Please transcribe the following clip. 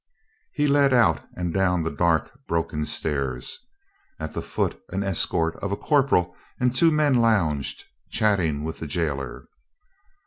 He led out and down the dark, broken stairs. At the foot an escort of a corporal and two men lounged, chattering with the gaoler.